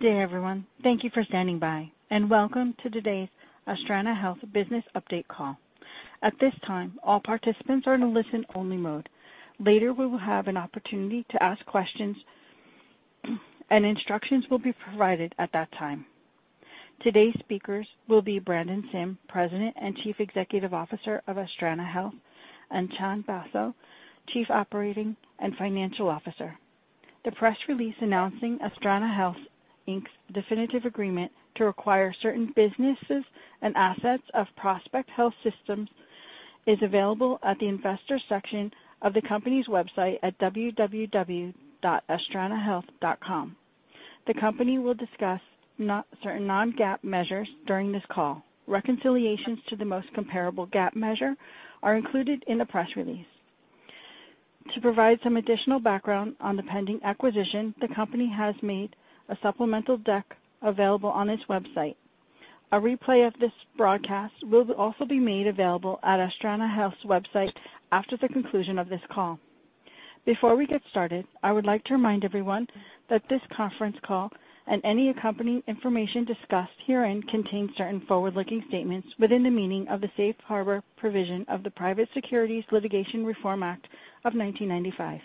Good day, everyone. Thank you for standing by, and welcome to today's Astrana Health Business Update call. At this time, all participants are in a listen-only mode. Later, we will have an opportunity to ask questions, and instructions will be provided at that time. Today's speakers will be Brandon Sim, President and Chief Executive Officer of Astrana Health, and Chan Basho, Chief Operating and Financial Officer. The press release announcing Astrana Health Inc's definitive agreement to acquire certain businesses and assets of Prospect Health Systems is available at the investor section of the company's website at www.astranahealth.com. The company will discuss certain non-GAAP measures during this call. Reconciliations to the most comparable GAAP measure are included in the press release. To provide some additional background on the pending acquisition, the company has made a supplemental deck available on its website. A replay of this broadcast will also be made available at Astrana Health's website after the conclusion of this call. Before we get started, I would like to remind everyone that this conference call and any accompanying information discussed herein contain certain forward-looking statements within the meaning of the Safe Harbor provision of the Private Securities Litigation Reform Act of 1995.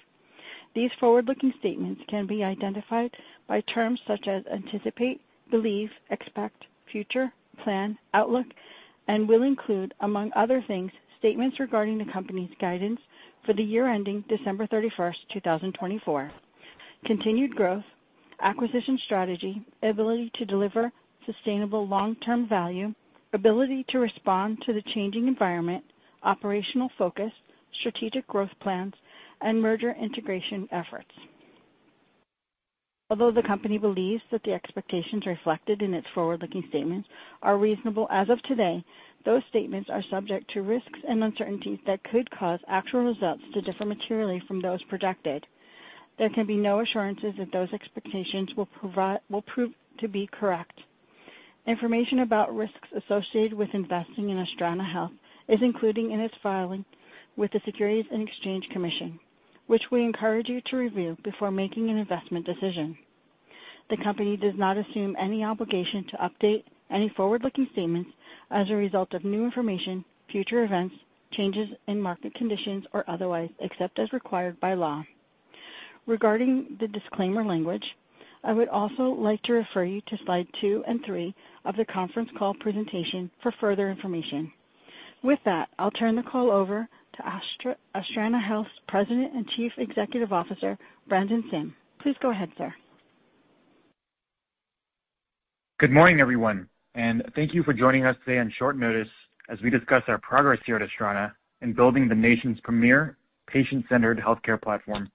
These forward-looking statements can be identified by terms such as anticipate, believe, expect, future, plan, outlook, and will include, among other things, statements regarding the company's guidance for the year ending December 31st, 2024, continued growth, acquisition strategy, ability to deliver sustainable long-term value, ability to respond to the changing environment, operational focus, strategic growth plans, and merger integration efforts. Although the company believes that the expectations reflected in its forward-looking statements are reasonable as of today, those statements are subject to risks and uncertainties that could cause actual results to differ materially from those projected. There can be no assurances that those expectations will prove to be correct. Information about risks associated with investing in Astrana Health is included in its filing with the Securities and Exchange Commission, which we encourage you to review before making an investment decision. The company does not assume any obligation to update any forward-looking statements as a result of new information, future events, changes in market conditions, or otherwise, except as required by law. Regarding the disclaimer language, I would also like to refer you to slide two and three of the conference call presentation for further information. With that, I'll turn the call over to Astrana Health's President and Chief Executive Officer, Brandon Sim. Please go ahead, sir. Good morning, everyone, and thank you for joining us today on short notice as we discuss our progress here at Astrana in building the nation's premier patient-centered healthcare platform.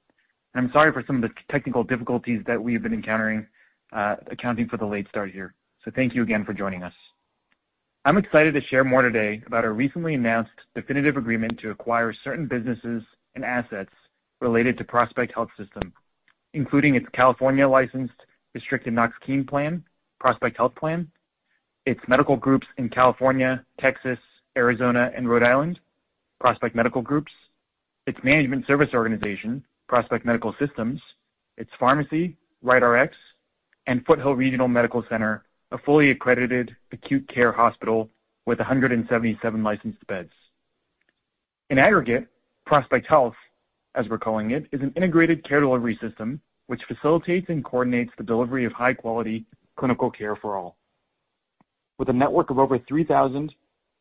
I'm sorry for some of the technical difficulties that we've been encountering accounting for the late start here. So thank you again for joining us. I'm excited to share more today about our recently announced definitive agreement to acquire certain businesses and assets related to Prospect Health Systems, including its California-licensed Restricted Knox-Keene Plan, Prospect Health Plan, its medical groups in California, Texas, Arizona, and Rhode Island, Prospect Medical Groups, its management service organization, Prospect Medical Systems, its pharmacy, RightRx, and Foothill Regional Medical Center, a fully accredited acute care hospital with 177 licensed beds. In aggregate, Prospect Health, as we're calling it, is an integrated care delivery system which facilitates and coordinates the delivery of high-quality clinical care for all. With a network of over 3,000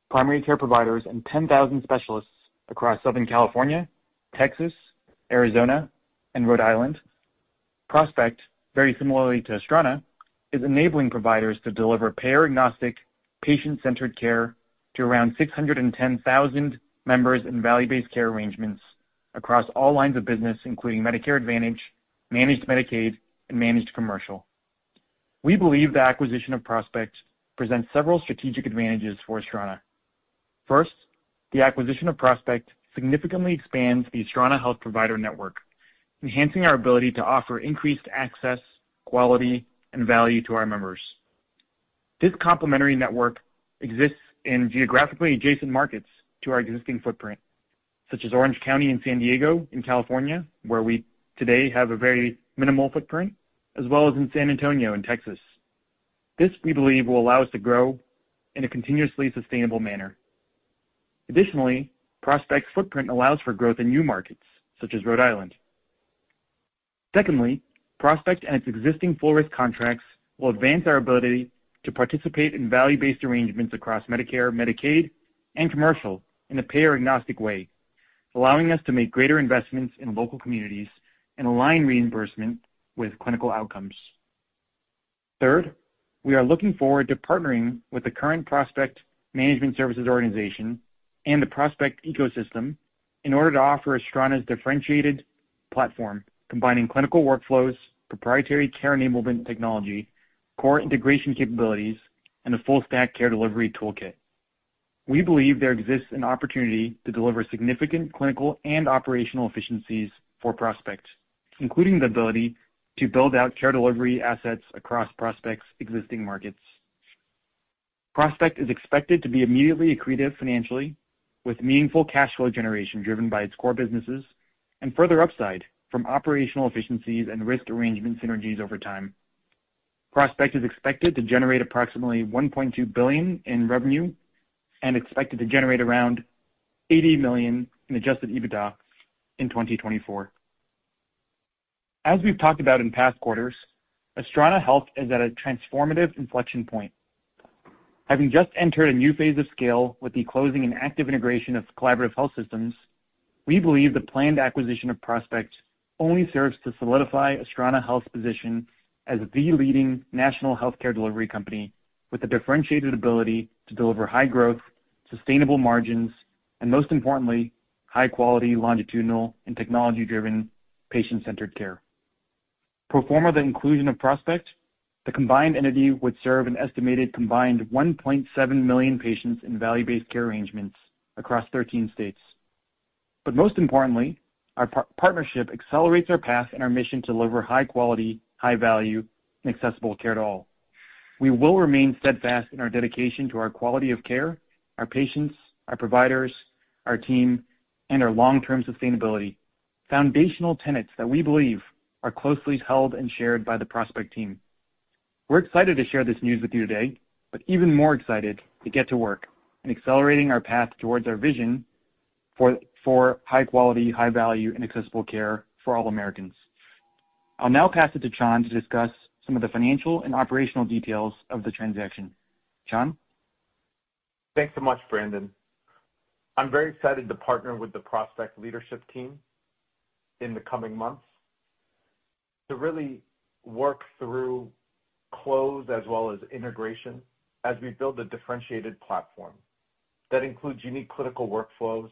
primary care providers and 10,000 specialists across Southern California, Texas, Arizona, and Rhode Island, Prospect, very similarly to Astrana, is enabling providers to deliver payer-agnostic, patient-centered care to around 610,000 members in value-based care arrangements across all lines of business, including Medicare Advantage, managed Medicaid, and managed commercial. We believe the acquisition of Prospect presents several strategic advantages for Astrana. First, the acquisition of Prospect significantly expands the Astrana Health provider network, enhancing our ability to offer increased access, quality, and value to our members. This complementary network exists in geographically adjacent markets to our existing footprint, such as Orange County and San Diego in California, where we today have a very minimal footprint, as well as in San Antonio in Texas. This, we believe, will allow us to grow in a continuously sustainable manner. Additionally, Prospect's footprint allows for growth in new markets, such as Rhode Island. Secondly, Prospect and its existing full-risk contracts will advance our ability to participate in value-based arrangements across Medicare, Medicaid, and commercial in a payer-agnostic way, allowing us to make greater investments in local communities and align reimbursement with clinical outcomes. Third, we are looking forward to partnering with the current Prospect management services organization and the Prospect ecosystem in order to offer Astrana's differentiated platform, combining clinical workflows, proprietary care enablement technology, core integration capabilities, and a full-stack care delivery toolkit. We believe there exists an opportunity to deliver significant clinical and operational efficiencies for Prospect, including the ability to build out care delivery assets across Prospect's existing markets. Prospect is expected to be immediately accretive financially, with meaningful cash flow generation driven by its core businesses and further upside from operational efficiencies and risk arrangement synergies over time. Prospect is expected to generate approximately $1.2 billion in revenue and expected to generate around $80 million in adjusted EBITDA in 2024. As we've talked about in past quarters, Astrana Health is at a transformative inflection point. Having just entered a new phase of scale with the closing and active integration of Collaborative Health Systems, we believe the planned acquisition of Prospect only serves to solidify Astrana Health's position as the leading national healthcare delivery company with a differentiated ability to deliver high growth, sustainable margins, and most importantly, high-quality, longitudinal, and technology-driven patient-centered care. Pro forma of the inclusion of Prospect, the combined entity would serve an estimated combined 1.7 million patients in value-based care arrangements across 13 states. But most importantly, our partnership accelerates our path and our mission to deliver high-quality, high-value, and accessible care to all. We will remain steadfast in our dedication to our quality of care, our patients, our providers, our team, and our long-term sustainability, foundational tenets that we believe are closely held and shared by the Prospect team. We're excited to share this news with you today, but even more excited to get to work in accelerating our path towards our vision for high-quality, high-value, and accessible care for all Americans. I'll now pass it to Chan to discuss some of the financial and operational details of the transaction. Chan? Thanks so much, Brandon. I'm very excited to partner with the Prospect leadership team in the coming months to really work through close as well as integration as we build a differentiated platform that includes unique clinical workflows,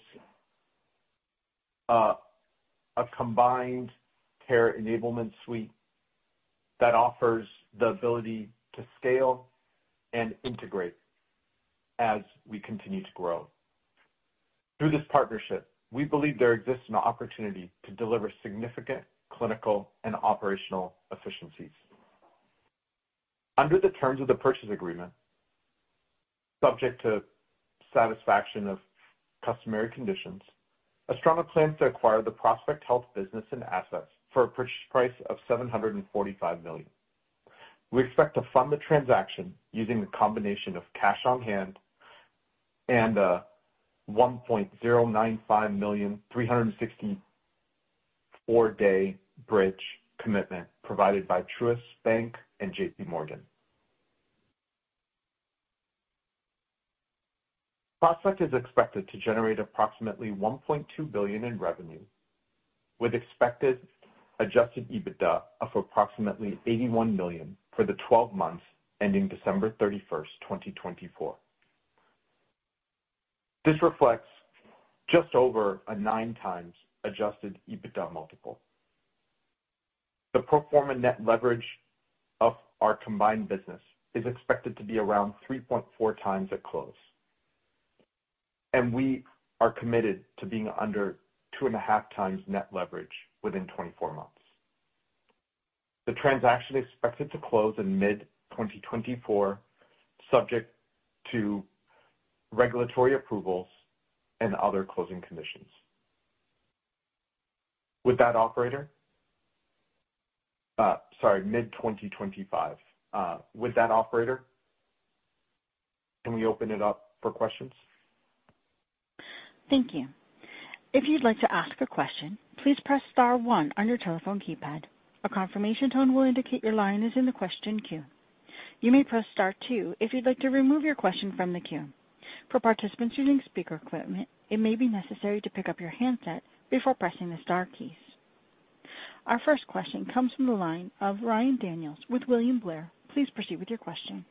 a combined care enablement suite that offers the ability to scale and integrate as we continue to grow. Through this partnership, we believe there exists an opportunity to deliver significant clinical and operational efficiencies. Under the terms of the purchase agreement, subject to satisfaction of customary conditions, Astrana plans to acquire the Prospect Health business and assets for a purchase price of $745 million. We expect to fund the transaction using a combination of cash on hand and a $1.095 million, 364-day bridge commitment provided by Truist Bank and JPMorgan. Prospect is expected to generate approximately $1.2 billion in revenue, with expected adjusted EBITDA of approximately $81 million for the 12 months ending December 31st, 2024. This reflects just over a 9x adjusted EBITDA multiple. The pro forma net leverage of our combined business is expected to be around 3.4x at close, and we are committed to being under two and a half times net leverage within 24 months. The transaction is expected to close in mid-2025, subject to regulatory approvals and other closing conditions. Would that operator? Can we open it up for questions? Thank you. If you'd like to ask a question, please press star one on your telephone keypad. A confirmation tone will indicate your line is in the question queue. You may press star two if you'd like to remove your question from the queue. For participants using speaker equipment, it may be necessary to pick up your handset before pressing the star keys. Our first question comes from the line of Ryan Daniels with William Blair. Please proceed with your question.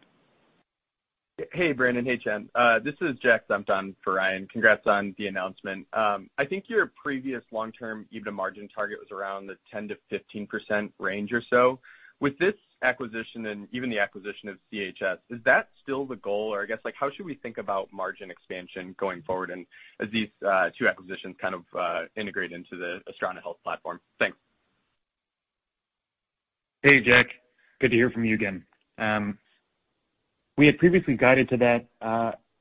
Hey, Brandon. Hey, Chan. This is Jack Sampson for Ryan. Congrats on the announcement. I think your previous long-term EBITDA margin target was around the 10%-15% range or so. With this acquisition and even the acquisition of CHS, is that still the goal? Or I guess, how should we think about margin expansion going forward as these two acquisitions kind of integrate into the Astrana Health platform? Thanks. Hey, Jack. Good to hear from you again. We had previously guided to that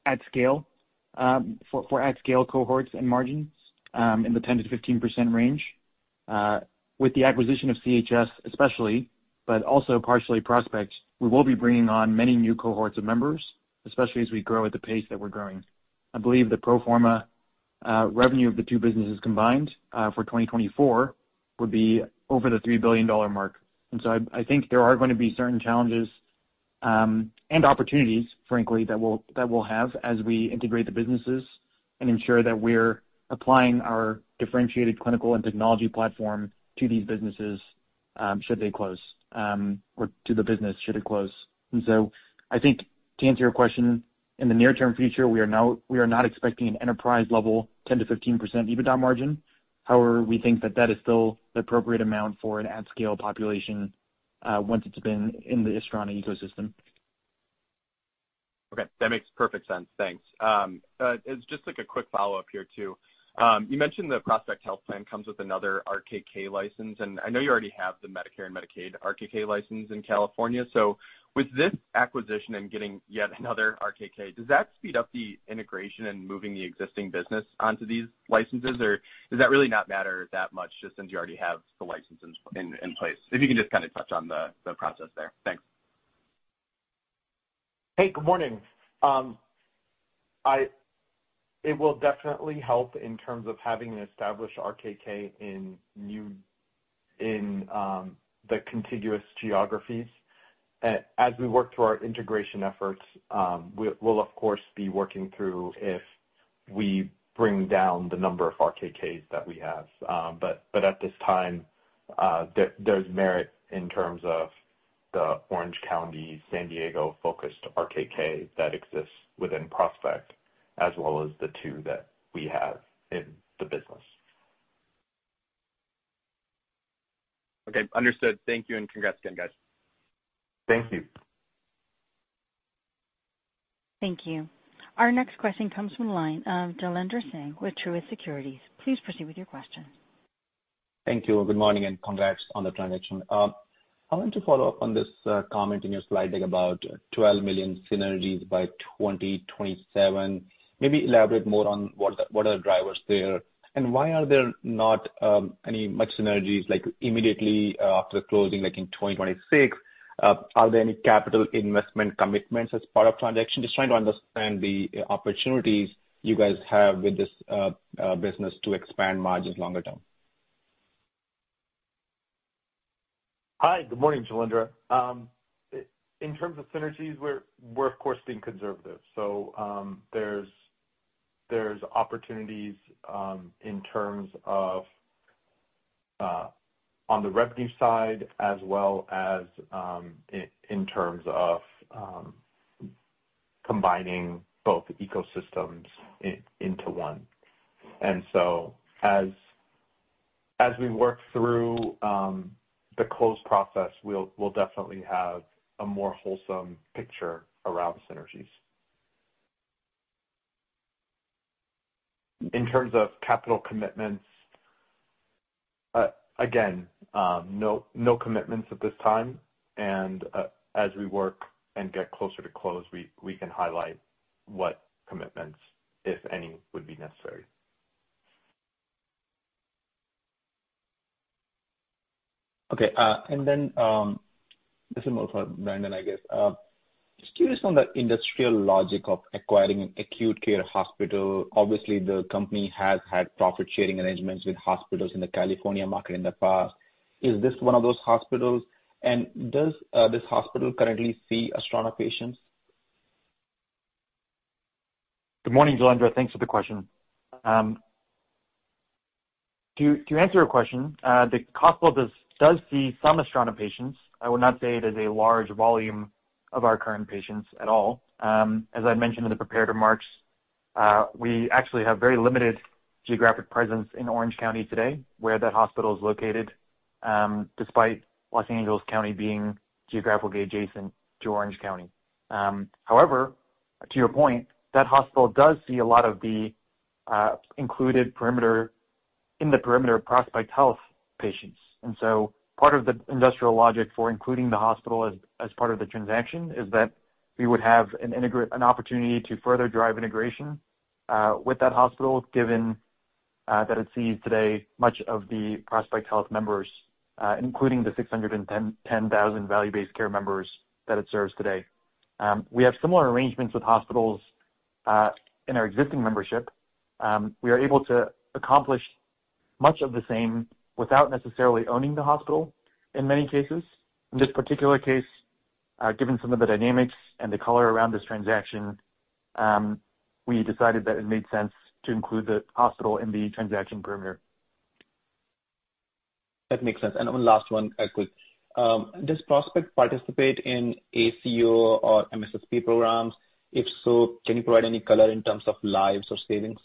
at scale for at-scale cohorts and margins in the 10%-15% range. With the acquisition of CHS, especially, but also partially Prospect, we will be bringing on many new cohorts of members, especially as we grow at the pace that we're growing. I believe the pro forma revenue of the two businesses combined for 2024 would be over the $3 billion mark, and so I think there are going to be certain challenges and opportunities, frankly, that we'll have as we integrate the businesses and ensure that we're applying our differentiated clinical and technology platform to these businesses should they close or to the business should it close, and so I think to answer your question, in the near-term future, we are not expecting an enterprise-level 10%-15% EBITDA margin. However, we think that that is still the appropriate amount for an at-scale population once it's been in the Astrana ecosystem. Okay. That makes perfect sense. Thanks. Just like a quick follow-up here too. You mentioned the Prospect Health Plan comes with another RKK license. And I know you already have the Medicare and Medicaid RKK license in California. So with this acquisition and getting yet another RKK, does that speed up the integration and moving the existing business onto these licenses? Or does that really not matter that much just since you already have the licenses in place? If you can just kind of touch on the process there. Thanks. Hey, good morning. It will definitely help in terms of having an established RKK in the contiguous geographies. As we work through our integration efforts, we'll, of course, be working through if we bring down the number of RKKs that we have. But at this time, there's merit in terms of the Orange County, San Diego-focused RKK that exists within Prospect, as well as the two that we have in the business. Okay. Understood. Thank you. And congrats again, guys. Thank you. Thank you. Our next question comes from Jailendra Singh with Truist Securities. Please proceed with your question. Thank you. Good morning and congrats on the transaction. I want to follow up on this comment in your slide deck about $12 million synergies by 2027. Maybe elaborate more on what are the drivers there and why are there not any much synergies immediately after the closing in 2026? Are there any capital investment commitments as part of the transaction? Just trying to understand the opportunities you guys have with this business to expand margins longer term. Hi. Good morning, Jailendra. In terms of synergies, we're, of course, being conservative. So there's opportunities in terms of on the revenue side as well as in terms of combining both ecosystems into one. And so as we work through the close process, we'll definitely have a more wholesome picture around synergies. In terms of capital commitments, again, no commitments at this time. And as we work and get closer to close, we can highlight what commitments, if any, would be necessary. Okay. And then this is more for Brandon, I guess. Just curious on the industrial logic of acquiring an acute care hospital. Obviously, the company has had profit-sharing arrangements with hospitals in the California market in the past. Is this one of those hospitals? And does this hospital currently see Astrana patients? Good morning, Jailendra. Thanks for the question. To answer your question, the hospital does see some Astrana patients. I would not say it is a large volume of our current patients at all. As I mentioned in the prepared remarks, we actually have very limited geographic presence in Orange County today where that hospital is located, despite Los Angeles County being geographically adjacent to Orange County. However, to your point, that hospital does see a lot of the included perimeter of Prospect Health patients. And so part of the industrial logic for including the hospital as part of the transaction is that we would have an opportunity to further drive integration with that hospital given that it sees today much of the Prospect Health members, including the 610,000 value-based care members that it serves today. We have similar arrangements with hospitals in our existing membership. We are able to accomplish much of the same without necessarily owning the hospital in many cases. In this particular case, given some of the dynamics and the color around this transaction, we decided that it made sense to include the hospital in the transaction perimeter. That makes sense. And one last one, quick. Does Prospect participate in ACO or MSSP programs? If so, can you provide any color in terms of lives or savings?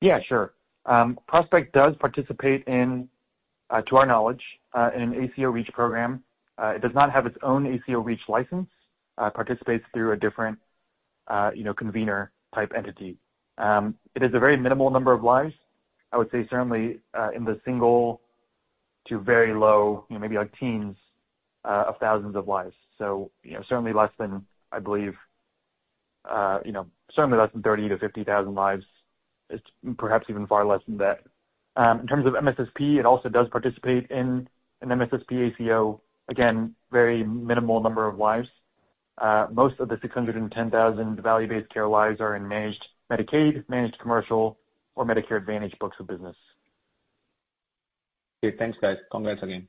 Yeah, sure. Prospect does participate in, to our knowledge, an ACO REACH program. It does not have its own ACO REACH license. It participates through a different convener-type entity. It is a very minimal number of lives. I would say certainly in the single to very low, maybe like teens of thousands of lives. So certainly less than, I believe, certainly less than 30,000-50,000 lives. It's perhaps even far less than that. In terms of MSSP, it also does participate in an MSSP ACO. Again, very minimal number of lives. Most of the 610,000 value-based care lives are in managed Medicaid, managed commercial, or Medicare Advantage books of business. Okay. Thanks, guys. Congrats again.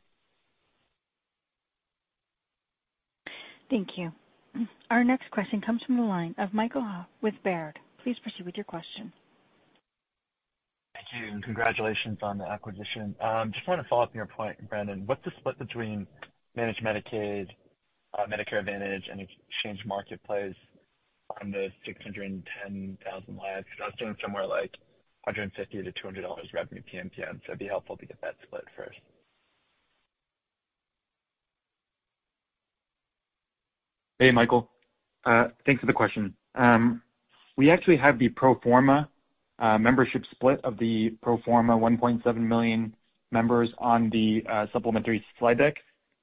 Thank you. Our next question comes from the line of Michael Ha with Baird. Please proceed with your question. Thank you and congratulations on the acquisition. Just want to follow up on your point, Brandon. What's the split between managed Medicaid, Medicare Advantage, and exchange marketplace on the 610,000 lives? I was doing somewhere like $150-$200 revenue PMPM. So it'd be helpful to get that split first. Hey, Michael. Thanks for the question. We actually have the pro forma membership split of the pro forma 1.7 million members on the supplementary slide deck.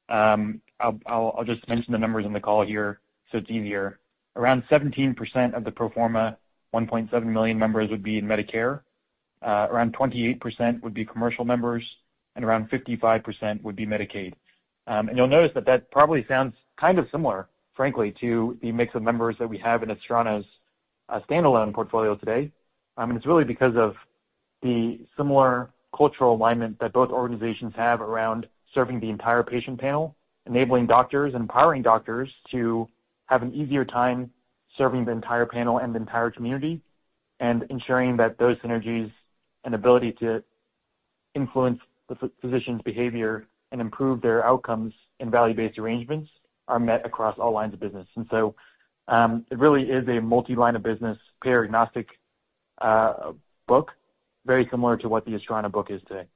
I'll just mention the numbers on the call here so it's easier. Around 17% of the pro forma 1.7 million members would be in Medicare. Around 28% would be commercial members, and around 55% would be Medicaid. And you'll notice that that probably sounds kind of similar, frankly, to the mix of members that we have in Astrana's standalone portfolio today. And it's really because of the similar cultural alignment that both organizations have around serving the entire patient panel, enabling doctors and empowering doctors to have an easier time serving the entire panel and the entire community, and ensuring that those synergies and ability to influence the physician's behavior and improve their outcomes in value-based arrangements are met across all lines of business. It really is a multi-line of business, payer-agnostic book, very similar to what the Astrana book is today.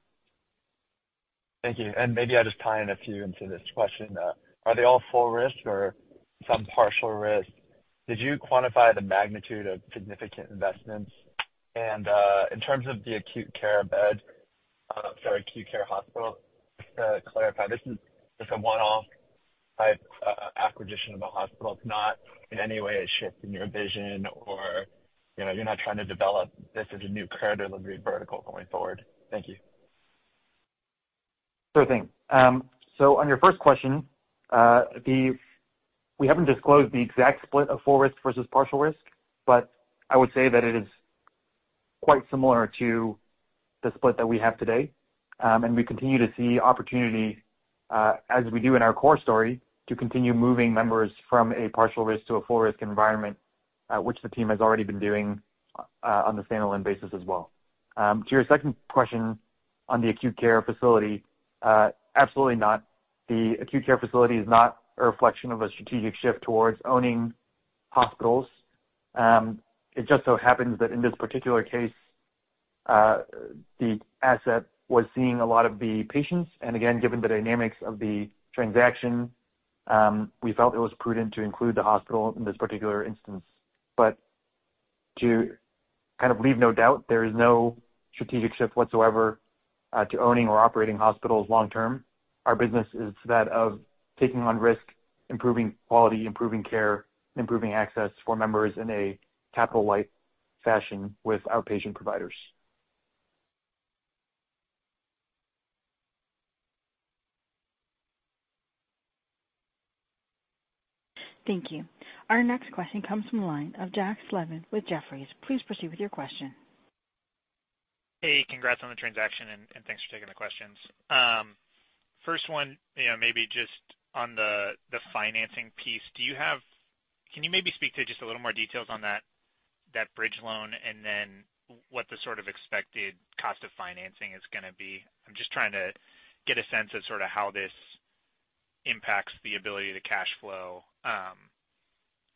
Thank you, and maybe I'll just tie in a few into this question. Are they all full risk or some partial risk? Did you quantify the magnitude of significant investments? And in terms of the acute care bed, sorry, acute care hospital, just to clarify, this is a one-off type acquisition of a hospital. It's not in any way a shift in your vision, or you're not trying to develop this as a new care delivery vertical going forward. Thank you. Sure thing. So on your first question, we haven't disclosed the exact split of full risk versus partial risk, but I would say that it is quite similar to the split that we have today. And we continue to see opportunity, as we do in our core story, to continue moving members from a partial risk to a full risk environment, which the team has already been doing on the standalone basis as well. To your second question on the acute care facility, absolutely not. The acute care facility is not a reflection of a strategic shift towards owning hospitals. It just so happens that in this particular case, the asset was seeing a lot of the patients. And again, given the dynamics of the transaction, we felt it was prudent to include the hospital in this particular instance. But to kind of leave no doubt, there is no strategic shift whatsoever to owning or operating hospitals long term. Our business is that of taking on risk, improving quality, improving care, and improving access for members in a capital-light fashion with our patient providers. Thank you. Our next question comes from the line of Jack Slevin with Jefferies. Please proceed with your question. Hey, congrats on the transaction, and thanks for taking the questions. First one, maybe just on the financing piece. Can you maybe speak to just a little more details on that bridge loan and then what the sort of expected cost of financing is going to be? I'm just trying to get a sense of sort of how this impacts the ability to cash flow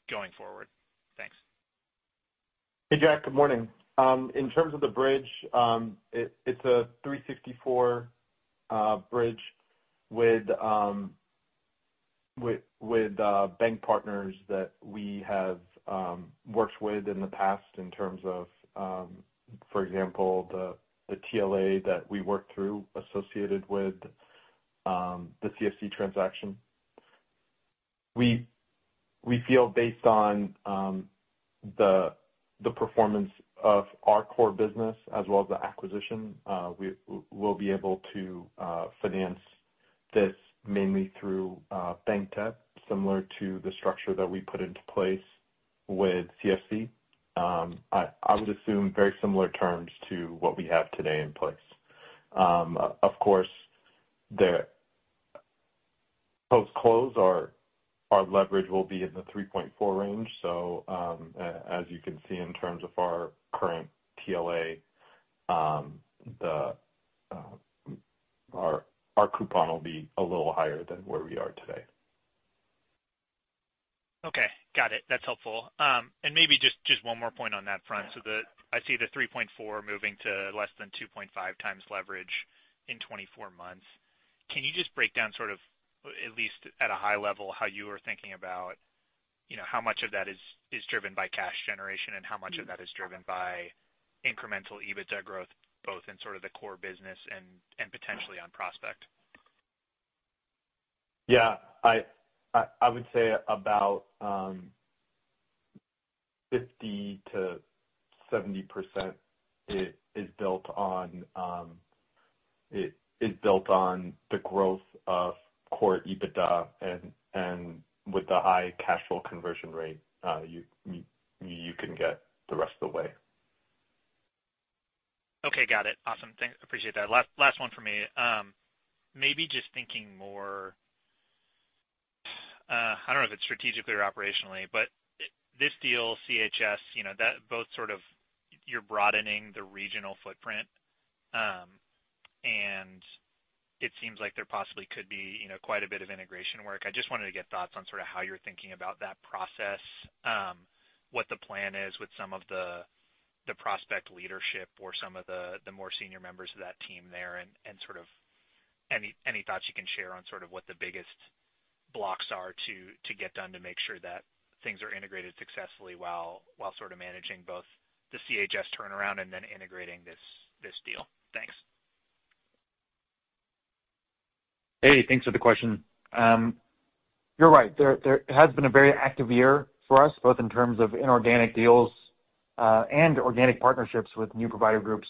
going forward. Thanks. Hey, Jack. Good morning. In terms of the bridge, it's a 364 bridge with bank partners that we have worked with in the past in terms of, for example, the TLA that we worked through associated with the CFC transaction. We feel based on the performance of our core business as well as the acquisition, we'll be able to finance this mainly through bank debt, similar to the structure that we put into place with CFC. I would assume very similar terms to what we have today in place. Of course, the post-close leverage will be in the 3.4 range. So as you can see, in terms of our current TLA, our coupon will be a little higher than where we are today. Okay. Got it. That's helpful, and maybe just one more point on that front, so I see the 3.4 moving to less than 2.5x leverage in 24 months. Can you just break down sort of, at least at a high level, how you are thinking about how much of that is driven by cash generation and how much of that is driven by incremental EBITDA growth, both in sort of the core business and potentially on prospect? Yeah. I would say about 50%-70% is built on the growth of core EBITDA. And with the high cash flow conversion rate, you can get the rest of the way. Okay. Got it. Awesome. Appreciate that. Last one for me. Maybe just thinking more, I don't know if it's strategically or operationally, but this deal, CHS, both sort of you're broadening the regional footprint, and it seems like there possibly could be quite a bit of integration work. I just wanted to get thoughts on sort of how you're thinking about that process, what the plan is with some of the Prospect leadership or some of the more senior members of that team there, and sort of any thoughts you can share on sort of what the biggest blocks are to get done to make sure that things are integrated successfully while sort of managing both the CHS turnaround and then integrating this deal. Thanks. Hey, thanks for the question. You're right. There has been a very active year for us, both in terms of inorganic deals and organic partnerships with new provider groups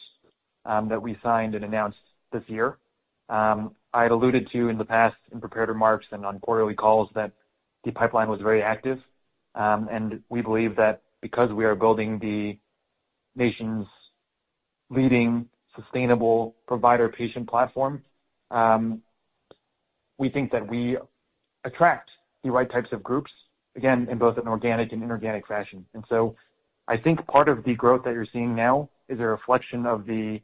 that we signed and announced this year. I had alluded to in the past in prepared remarks and on quarterly calls that the pipeline was very active. And we believe that because we are building the nation's leading sustainable provider-patient platform, we think that we attract the right types of groups, again, in both an organic and inorganic fashion. And so I think part of the growth that you're seeing now is a reflection of the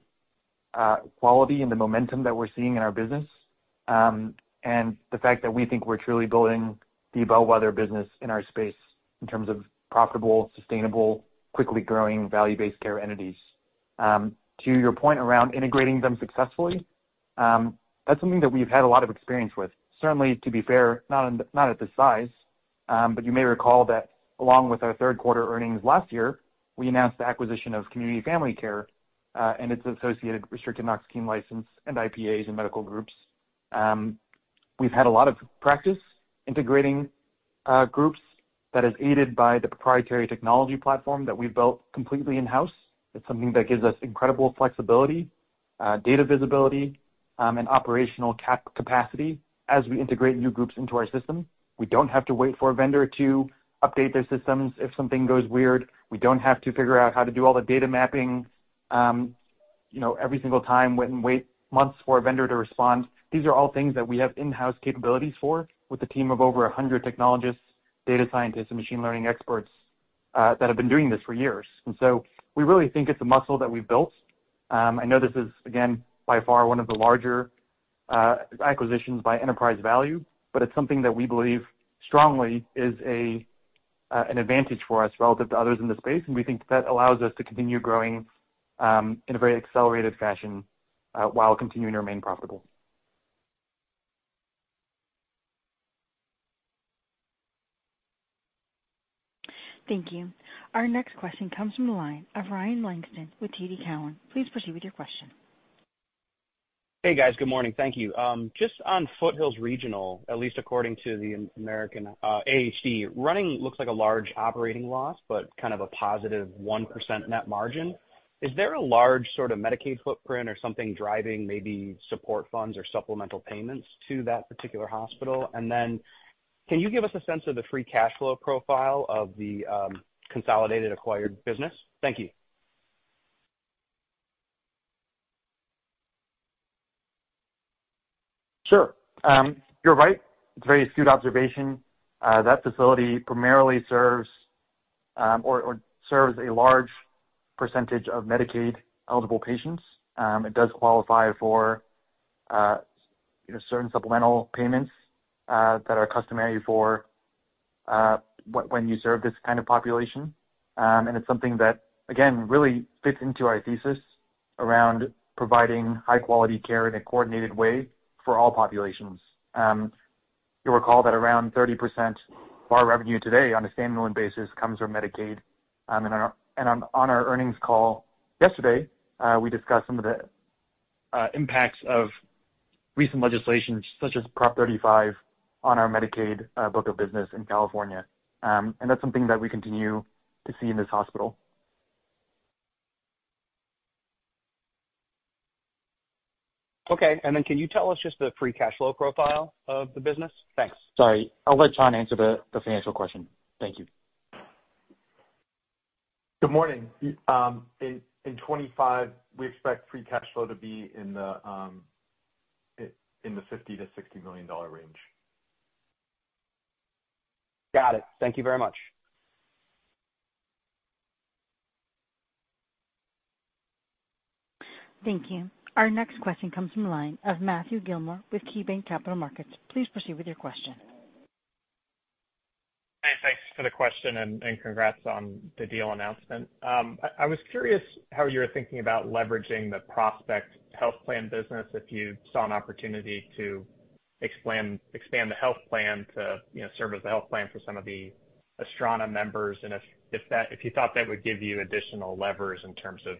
quality and the momentum that we're seeing in our business and the fact that we think we're truly building the bellwether business in our space in terms of profitable, sustainable, quickly growing value-based care entities. To your point around integrating them successfully, that's something that we've had a lot of experience with. Certainly, to be fair, not at this size. But you may recall that along with our third-quarter earnings last year, we announced the acquisition of Community Family Care and its associated restricted Knox-Keene license and IPAs and medical groups. We've had a lot of practice integrating groups. That is aided by the proprietary technology platform that we've built completely in-house. It's something that gives us incredible flexibility, data visibility, and operational capacity as we integrate new groups into our system. We don't have to wait for a vendor to update their systems if something goes weird. We don't have to figure out how to do all the data mapping every single time, wait months for a vendor to respond. These are all things that we have in-house capabilities for with a team of over 100 technologists, data scientists, and machine learning experts that have been doing this for years, and so we really think it's a muscle that we've built. I know this is, again, by far one of the larger acquisitions by enterprise value, but it's something that we believe strongly is an advantage for us relative to others in the space, and we think that that allows us to continue growing in a very accelerated fashion while continuing to remain profitable. Thank you. Our next question comes from the line of Ryan Langston with TD Cowen. Please proceed with your question. Hey, guys. Good morning. Thank you. Just on Foothill Regional, at least according to the American Hospital Directory, AHD, running looks like a large operating loss, but kind of a +1% net margin. Is there a large sort of Medicaid footprint or something driving maybe support funds or supplemental payments to that particular hospital? And then can you give us a sense of the free cash flow profile of the consolidated acquired business? Thank you. Sure. You're right. It's a very astute observation. That facility primarily serves or serves a large percentage of Medicaid-eligible patients. It does qualify for certain supplemental payments that are customary for when you serve this kind of population. And it's something that, again, really fits into our thesis around providing high-quality care in a coordinated way for all populations. You'll recall that around 30% of our revenue today on a standalone basis comes from Medicaid. And on our earnings call yesterday, we discussed some of the impacts of recent legislation such as Prop 35 on our Medicaid book of business in California. And that's something that we continue to see in this hospital. Okay. And then can you tell us just the free cash flow profile of the business? Thanks. Sorry. I'll let Chan answer the financial question. Thank you. Good morning. In 2025, we expect free cash flow to be in the $50 million-$60 million range. Got it. Thank you very much. Thank you. Our next question comes from the line of Matthew Gillmor with KeyBanc Capital Markets. Please proceed with your question. Hey, thanks for the question and congrats on the deal announcement. I was curious how you were thinking about leveraging the Prospect Health Plan business if you saw an opportunity to expand the health plan to serve as a health plan for some of the Astrana members, and if you thought that would give you additional levers in terms of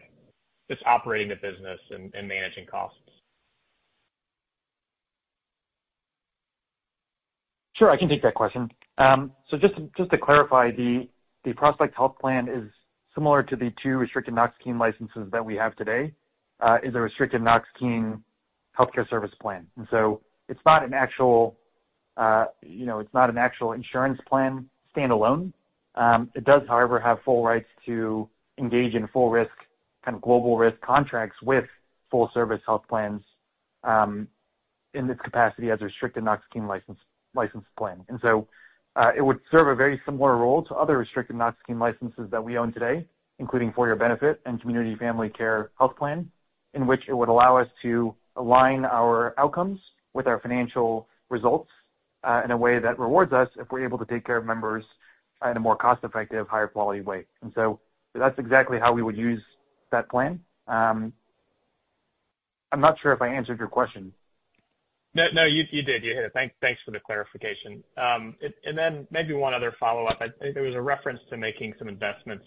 just operating the business and managing costs. Sure. I can take that question, so just to clarify, the Prospect Health Plan is similar to the two restricted Knox-Keene licenses that we have today, it is a restricted Knox-Keene healthcare service plan. And so it's not an actual, it's not an actual insurance plan standalone. It does, however, have full rights to engage in full risk, kind of global risk contracts with full service health plans in this capacity as a restricted Knox-Keene license plan. And so it would serve a very similar role to other restricted Knox-Keene licenses that we own today, including For Your Benefit and Community Family Care Health Plan, in which it would allow us to align our outcomes with our financial results in a way that rewards us if we're able to take care of members in a more cost-effective, higher-quality way. And so that's exactly how we would use that plan. I'm not sure if I answered your question. No, you did. You hit it. Thanks for the clarification. And then maybe one other follow-up. There was a reference to making some investments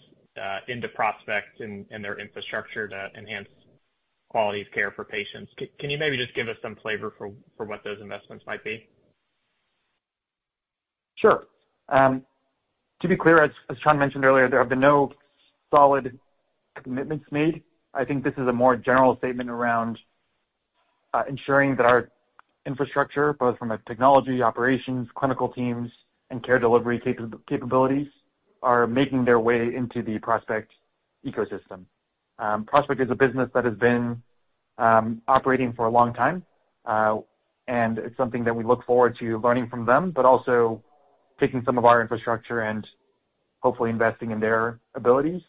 into Prospect and their infrastructure to enhance quality of care for patients. Can you maybe just give us some flavor for what those investments might be? Sure. To be clear, as Chan mentioned earlier, there have been no solid commitments made. I think this is a more general statement around ensuring that our infrastructure, both from a technology, operations, clinical teams, and care delivery capabilities, are making their way into the Prospect ecosystem. Prospect is a business that has been operating for a long time, and it's something that we look forward to learning from them, but also taking some of our infrastructure and hopefully investing in their abilities.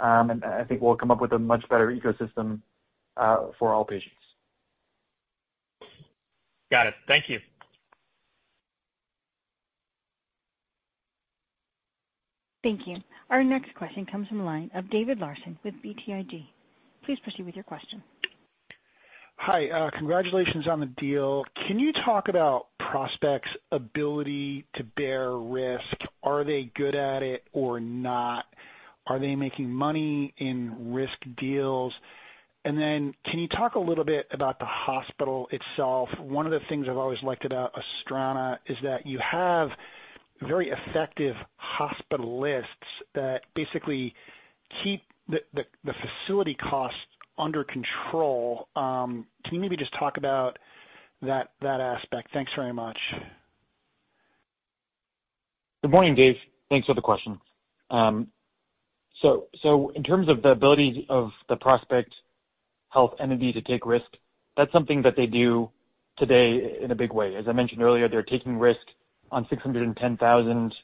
I think we'll come up with a much better ecosystem for all patients. Got it. Thank you. Thank you. Our next question comes from the line of David Larsen with BTIG. Please proceed with your question. Hi. Congratulations on the deal. Can you talk about Prospect's ability to bear risk? Are they good at it or not? Are they making money in risk deals? And then can you talk a little bit about the hospital itself? One of the things I've always liked about Astrana is that you have very effective hospitalists that basically keep the facility costs under control. Can you maybe just talk about that aspect? Thanks very much. Good morning, Dave. Thanks for the question, so in terms of the ability of the Prospect Health entity to take risk, that's something that they do today in a big way. As I mentioned earlier, they're taking risk on 610,000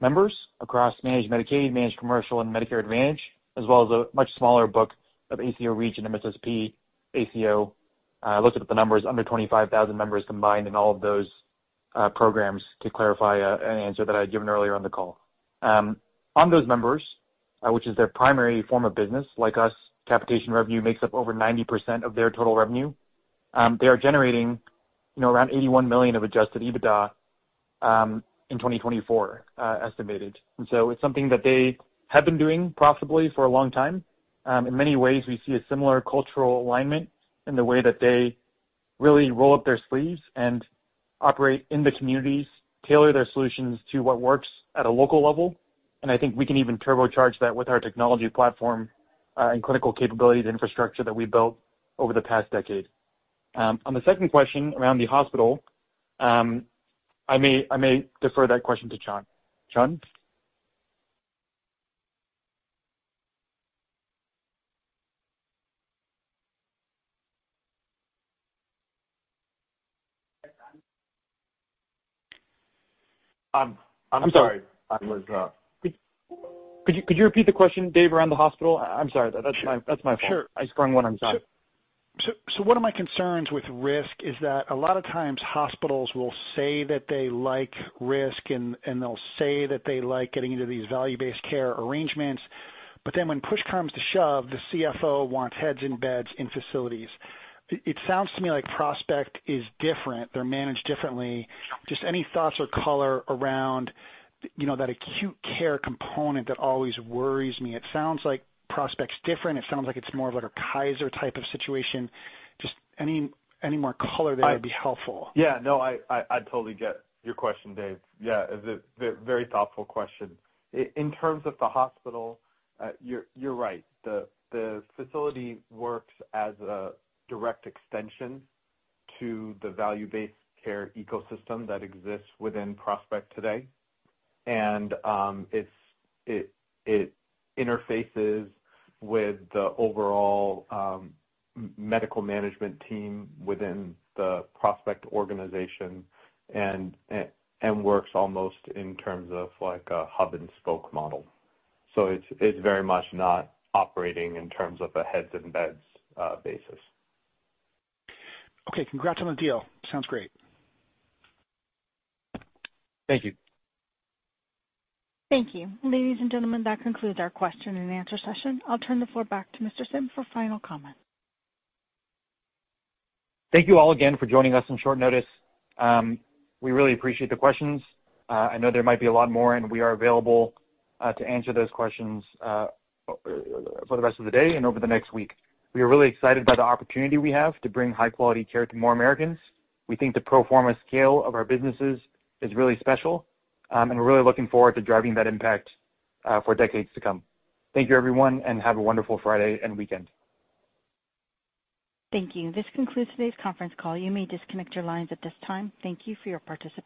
members across Managed Medicaid, Managed Commercial, and Medicare Advantage, as well as a much smaller book of ACO REACH and MSSP ACO. I looked at the numbers: under 25,000 members combined in all of those programs to clarify an answer that I had given earlier on the call. On those members, which is their primary form of business, like us, capitation revenue makes up over 90% of their total revenue. They are generating around $81 million of adjusted EBITDA in 2024, estimated, and so it's something that they have been doing profitably for a long time. In many ways, we see a similar cultural alignment in the way that they really roll up their sleeves and operate in the communities, tailor their solutions to what works at a local level, and I think we can even turbocharge that with our technology platform and clinical capabilities infrastructure that we built over the past decade. On the second question around the hospital, I may defer that question to Chan. Chan? I'm sorry. I was. Could you repeat the question, Dave, around the hospital? I'm sorry. That's my fault. I sprung one on Chan. So one of my concerns with risk is that a lot of times hospitals will say that they like risk, and they'll say that they like getting into these value-based care arrangements. But then when push comes to shove, the CFO wants heads and beds in facilities. It sounds to me like Prospect is different. They're managed differently. Just any thoughts or color around that acute care component that always worries me? It sounds like Prospect's different. It sounds like it's more of like a Kaiser type of situation. Just any more color there would be helpful. Yeah. No, I totally get your question, Dave. Yeah. It's a very thoughtful question. In terms of the hospital, you're right. The facility works as a direct extension to the value-based care ecosystem that exists within Prospect today. And it interfaces with the overall medical management team within the Prospect organization and works almost in terms of like a hub-and-spoke model. So it's very much not operating in terms of a heads-and-beds basis. Okay. Congrats on the deal. Sounds great. Thank you. Thank you. Ladies and gentlemen, that concludes our question and answer session. I'll turn the floor back to Mr. Sim for final comment. Thank you all again for joining us on short notice. We really appreciate the questions. I know there might be a lot more, and we are available to answer those questions for the rest of the day and over the next week. We are really excited by the opportunity we have to bring high-quality care to more Americans. We think the pro forma scale of our businesses is really special, and we're really looking forward to driving that impact for decades to come. Thank you, everyone, and have a wonderful Friday and weekend. Thank you. This concludes today's conference call. You may disconnect your lines at this time. Thank you for your participation.